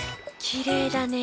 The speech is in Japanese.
きれいだね。